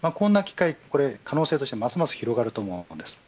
これが可能性としてますます広がると思います。